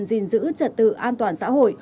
gìn giữ trật tự an toàn xã hội